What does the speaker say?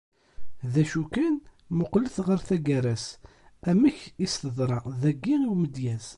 D acu kan, muqlet ɣer taggara-s amek i as-teḍṛa dagi i umedyaz.